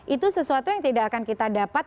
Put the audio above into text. itu sesuatu yang tidak akan kita dapat